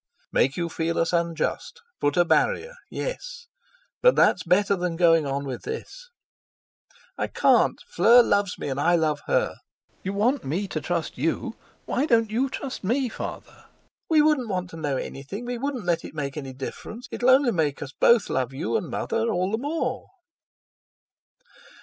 "Make you feel us unjust, put a barrier—yes. But that's better than going on with this." "I can't. Fleur loves me, and I love her. You want me to trust you; why don't you trust me, Father? We wouldn't want to know anything—we wouldn't let it make any difference. It'll only make us both love you and Mother all the more."